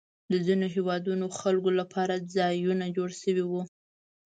د ځینو هېوادونو خلکو لپاره ځایونه جوړ شوي وو.